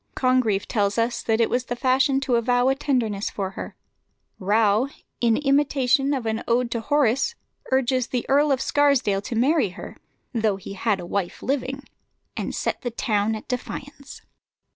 Congreve tells us that it was the fashion to avow a tenderness for her. Rowe, in an imitation of an ode of Horace, urges the Earl of Scarsdale to marry her (though he had a wife living) and set the town at defiance.